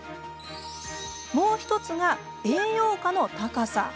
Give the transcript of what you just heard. もう１つが、栄養価の高さ。